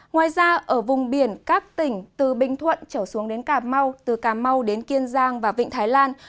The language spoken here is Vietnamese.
ngoài ra ở vùng biển các tỉnh từ bình thuận trở xuống đến cà mau từ cà mau đến kiên giang và vịnh thái lan